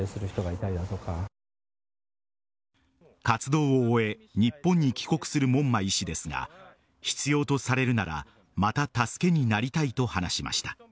活動を終え日本に帰国する門馬医師ですが必要とされるならまた助けになりたいと話しました。